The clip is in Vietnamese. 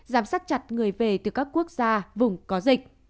giám sát chặt người về từ các quốc gia vùng có dịch